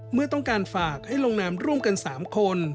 เมื่อต้องการฝากให้ลงนามร่วมกัน๓คน